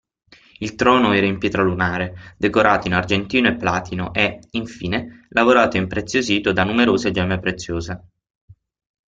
Il trono era in pietra lunare, decorato in argentino e platino e, infine, lavorato e impreziosito da numerose gemme preziose.